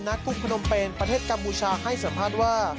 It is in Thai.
กรุงพนมเป็นประเทศกัมพูชาให้สัมภาษณ์ว่า